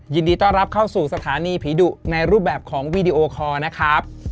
ยินดีต้อนรับเข้าสู่สถานีผีดุในรูปแบบของวีดีโอคอร์นะครับ